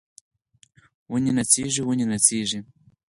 ونې نڅیږي ونې نڅیږي